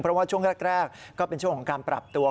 เพราะว่าช่วงแรกก็เป็นช่วงของการปรับตัว